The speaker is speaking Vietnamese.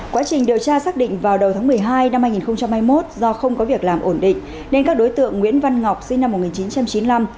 quá trình điều tra xác định vào đầu tháng một mươi hai năm hai nghìn hai mươi một do không có việc làm ổn định nên các đối tượng nguyễn văn ngọc sinh năm một nghìn chín trăm chín mươi năm